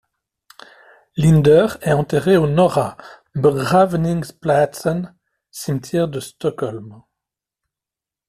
Linder est enterré au Norra begravningsplatsen, cimetière de Stockholm.